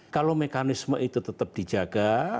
kalau mekanisme itu tetap dijaga